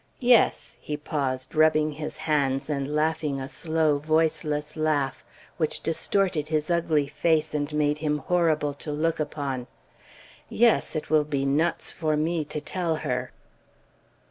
Yes" he paused, rubbing his hands, and laughing a slow, voiceless laugh, which distorted his ugly face, and made him horrible to look upon yes, it will be nuts for me to tell her."